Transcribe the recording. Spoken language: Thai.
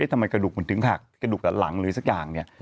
ทำไมกระดูกเหมือนถึงหักกระดูกหลังหรือสักอย่าง